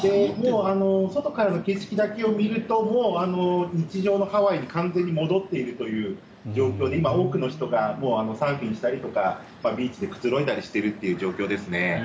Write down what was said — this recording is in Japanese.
外からの景色だけを見ると日常のハワイに完全に戻っているという状況で今、多くの人がサーフィンしたりとかビーチでくつろいだりしている状況ですね。